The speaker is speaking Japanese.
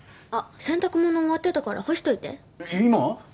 あっ洗濯物終わってたから干しといて今？